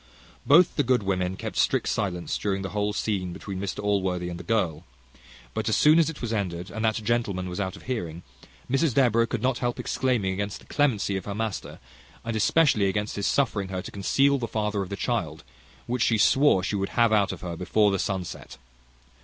Both the good women kept strict silence during the whole scene between Mr Allworthy and the girl; but as soon as it was ended, and that gentleman was out of hearing, Mrs Deborah could not help exclaiming against the clemency of her master, and especially against his suffering her to conceal the father of the child, which she swore she would have out of her before the sun set.